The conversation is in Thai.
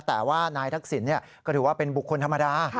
แต่ว่านายทักษิณก็ถือว่าเป็นบุคคลธรรมดา